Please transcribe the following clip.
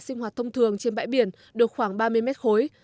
sinh hoạt thông thường trên bãi biển được khoảng ba mươi mét khối